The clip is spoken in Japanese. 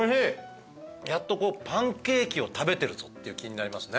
やっとパンケーキを食べてるぞっていう気になりますね。